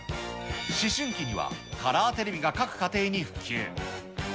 思春期にはカラーテレビが各家庭に普及。